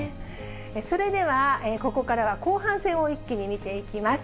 それではここからは、後半戦を一気に見ていきます。